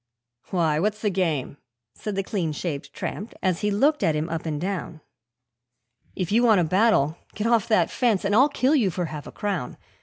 'Why, what's the game?' said the clean shaved tramp, as he looked at him up and down 'If you want a battle, get off that fence, and I'll kill you for half a crown!